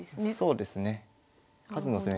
そうですね。